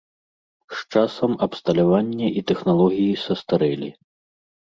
З часам абсталяванне і тэхналогіі састарэлі.